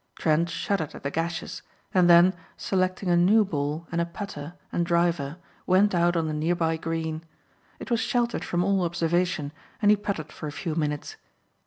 Trent shuddered at the gashes and then, selecting a new ball and a putter and driver went out on the nearby green. It was sheltered from all observation and he putted for a few minutes.